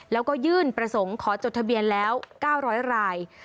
แล้วก็ยื่นประสงค์ขอจดทะเบียนแล้ว๙๐๐ราย